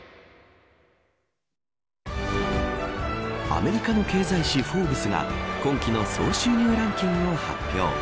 アメリカの経済誌フォーブスが今季の総収入ランキングを発表。